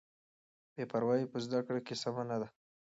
بې پروایي په زده کړه کې سمه نه ده.